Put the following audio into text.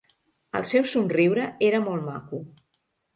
El seu somriure era molt maco.